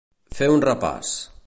Fer un repàs.